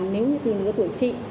nếu như từ lứa tuổi trị